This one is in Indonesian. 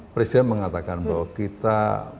presiden mengatakan bahwa kita